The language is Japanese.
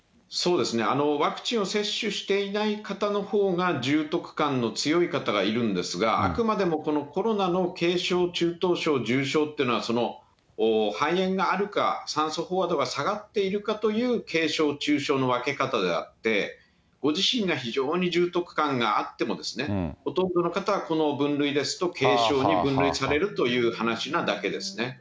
そうですね、ワクチンを接種していない方のほうが重篤感の強い方がいるんですが、あくまでもこのコロナの軽症、中等症、重症っていうのは肺炎があるか、酸素飽和度が下がっているかという軽症、重症の分け方であって、ご自身が非常に重篤感があっても、ほとんどの方はこの分類ですと、軽症に分類されるという話なだけですね。